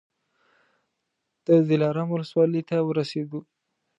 د دلارام ولسوالۍ ته ورسېدو.